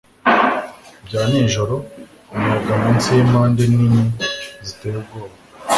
Bya nijoroumuyaga munsi yimpande nini ziteye ubwoba